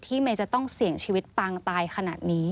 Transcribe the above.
เมย์จะต้องเสี่ยงชีวิตปางตายขนาดนี้